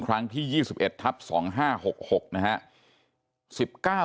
ครั้งที่๒๑ทับ๒๕๖๖นะฮะ